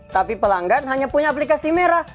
tapi pelanggan hanya punya aplikasi merah